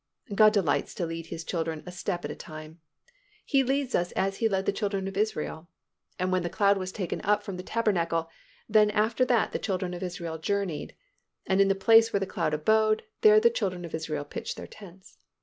God delights to lead His children a step at a time. He leads us as He led the children of Israel. "And when the cloud was taken up from the tabernacle, then after that the children of Israel journeyed: and in the place where the cloud abode, there the children of Israel pitched their tents.